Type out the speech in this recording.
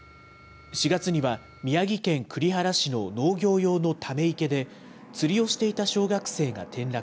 ４月には、宮城県栗原市の農業用のため池で、釣りをしていた小学生が転落。